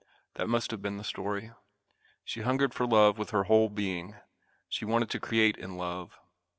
That must have been the story. She hungered for love with her whole being. She wanted to create in love.